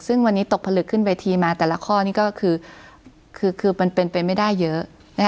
ซึ่งวันนี้ตกผลึกขึ้นเวทีมาแต่ละข้อนี่ก็คือมันเป็นไปไม่ได้เยอะ